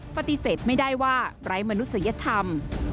ปฏิเสธไม่ได้ว่าไร้มนุษยธรรม